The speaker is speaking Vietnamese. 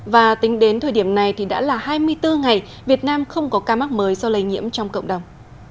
và tính đến thời điểm này thì đã là hai mươi bốn ngày việt nam không có ca mắc mới do lây nhiễm trong cộng đồng